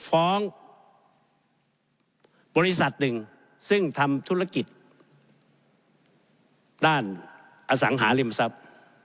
ฟ้องบริษัทหนึ่งซึ่งทำธุรกิจด้านอสังหาริมทรัพย์